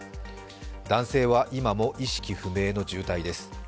男性は今も意識不明の重体です。